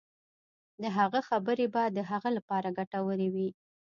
د هغه خبرې به د هغه لپاره ګټورې وي.